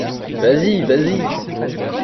Vas-y, vas-y!